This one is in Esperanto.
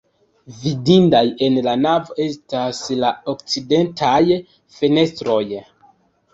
Vidindaj en la navo estas la okcidentaj fenestroj.